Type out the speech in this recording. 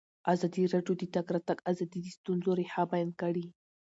ازادي راډیو د د تګ راتګ ازادي د ستونزو رېښه بیان کړې.